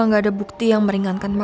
selama gak ada bukti yang meringankan mama